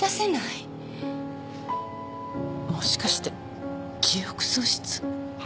もしかして記憶喪失？